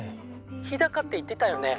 ☎日高って言ってたよね？